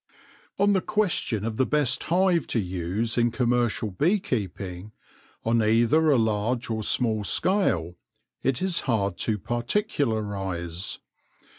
1 84 THE LORE OF THE HONEY BEE On the question of the best hive to use in com mercial bee keeping, on either a large or small scale, it is hard to particularise.